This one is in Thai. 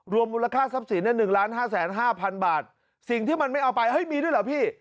มูลค่าทรัพย์สิน๑๕๕๐๐๐บาทสิ่งที่มันไม่เอาไปเฮ้ยมีด้วยเหรอพี่